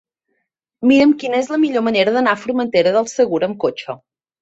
Mira'm quina és la millor manera d'anar a Formentera del Segura amb cotxe.